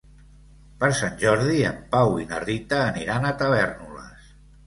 Per Sant Jordi en Pau i na Rita aniran a Tavèrnoles.